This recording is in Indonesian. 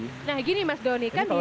nah gini mas donika di indonesia